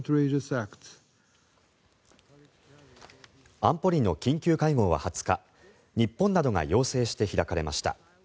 安保理の緊急会合は２０日日本などが要請して開かれました。